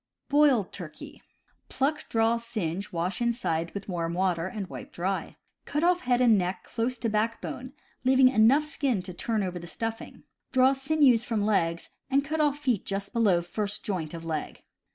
Boiled Turkey. — Pluck, draw, singe, wash inside with warm water, and wipe dry. Cut off head and neck close to backbone, leaving enough skin to turn over the stuffing. Draw sinews from legs, and cut off feet just below first joint of leg.